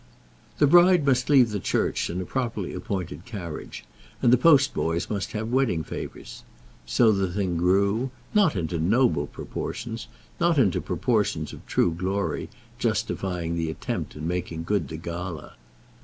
The bride must leave the church in a properly appointed carriage, and the postboys must have wedding favours. So the thing grew; not into noble proportions, not into proportions of true glory, justifying the attempt and making good the gala.